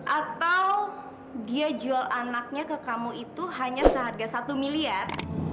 atau dia jual anaknya ke kamu itu hanya seharga satu miliar